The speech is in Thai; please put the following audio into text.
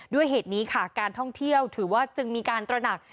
ด้วยเหตุนี้ค่ะการท่องเที่ยวถือว่าจึงมีการตระหนัก